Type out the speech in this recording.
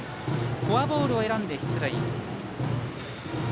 フォアボールを選んで出塁。